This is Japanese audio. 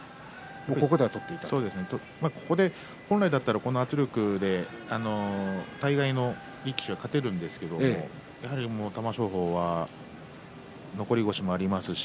ここで本来だったら圧力で大概の力士は勝てるんですけどやはり玉正鳳は残り腰もありますし